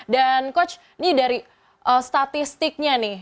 dan coach ini dari statistiknya nih